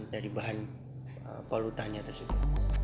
dari bahan polutannya tersebut